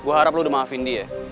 gue harap lu udah maafin dia